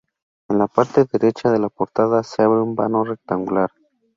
En la parte derecha de la portada se abre un vano rectangular.